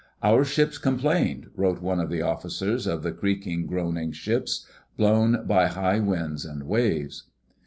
"Our ships complained," wrote one of the officers of the creaking, groaning ships, blown by high winds and waves.